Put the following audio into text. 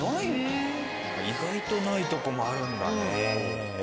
意外とないとこもあるんだね。